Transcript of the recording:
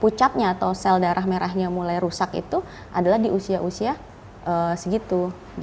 pucatnya atau sel darah merahnya mulai rusak itu adalah di usia usia segitu